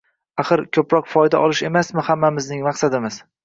axir, ko‘proq foyda olish emasmi hammamizning maqsadimiz?